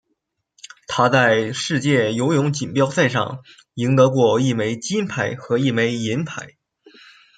他在世界游泳锦标赛上赢得过一枚金牌和一枚银牌。